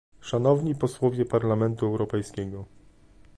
Szanowni Posłowie Parlamentu Europejskiego